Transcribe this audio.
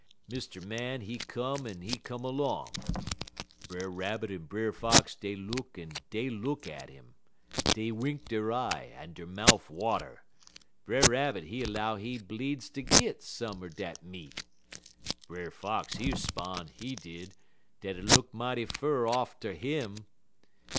"Mr. Man he come en he come 'long. Brer Rabbit en Brer Fox dey look en dey look at 'im. Dey wink der eye en der mouf water. Brer Rabbit he 'low he bleedz ter git some er dat meat. Brer Fox he 'spon', he did, dat it look mighty fur off ter him.